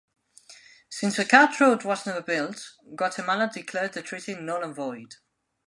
Since the cart road was never built, Guatemala declared the treaty null and void.